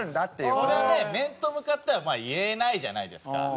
そりゃね面と向かってはまあ言えないじゃないですか。